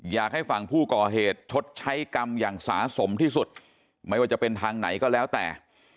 อยากให้ฝั่งผู้ก่อเหตุชดใช้กรรมอย่างสาสมที่สุดไม่ว่าจะเป็นทางไหนก็แล้วแต่